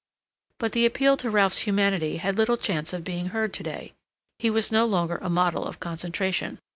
But the appeal to Ralph's humanity had little chance of being heard to day; he was no longer a model of concentration.